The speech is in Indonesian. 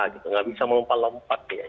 tidak bisa memelompat lompat